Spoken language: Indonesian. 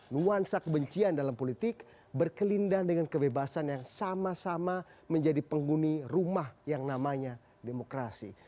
nuansa kebencian dalam politik berkelindahan dengan kebebasan yang sama sama menjadi penghuni rumah yang namanya demokrasi